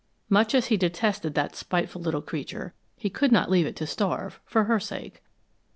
Much as he detested the spiteful little creature, he could not leave it to starve, for her sake.